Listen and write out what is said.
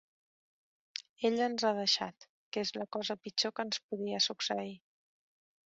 Ell ens ha deixat, que és la cosa pitjor que ens podia succeir.